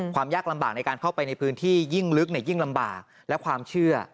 ความยากลำบากในการเข้าไปในพื้นที่ยิ่งลึกยิ่งลำบากและความเชื่อ